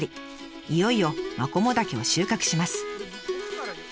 いよいよマコモダケを収穫します。